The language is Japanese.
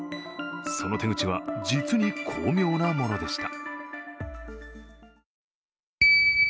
その手口は実に巧妙なものでした。